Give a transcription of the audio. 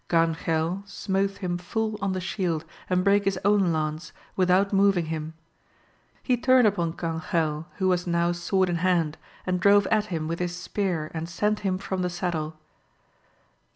Ganjel smote him fuU on the shield and brake his own lance without moving him ; he turned upon Ganjel who was now sword in hand, and drove at him with his spear and sent him from the saddle.